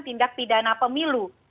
tindak pidana pemilu